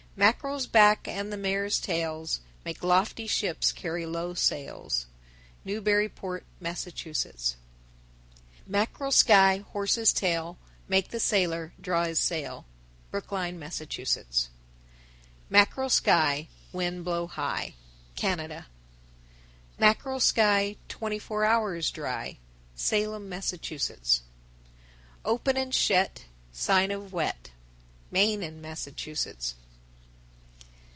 _ 1025. Mackerel's back and the mare's tails Make lofty ships carry low sails. Newburyport, Mass. 1026. Mackerel sky, horse's tail, Make the sailor draw his sail. Brookline, Mass. 1027. Mackerel sky, Wind blow high. Canada. 1028. Mackerel sky, Twenty four hours dry. Salem, Mass. 1029. Open and shet, Sign of wet. _Maine and Massachusetts.